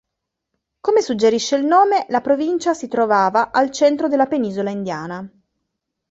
Come suggerisce il nome, la provincia si trovava al centro della penisola indiana.